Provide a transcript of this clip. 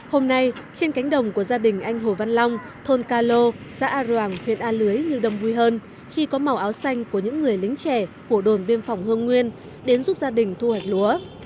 hôm nay trên cánh đồng của gia đình anh hồ văn long thôn ca lô xã a roàng huyện a lưới như đông vui hơn khi có màu áo xanh của những người lính trẻ của đồn biên phòng hương nguyên đến giúp gia đình thu hoạch lúa